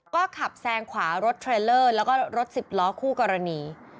ก็ขับแซงขวารถเทรลเลอร์แล้วก็รถสิบล้อคู่กรณี